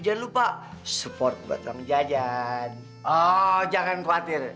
jangan berkenaan aku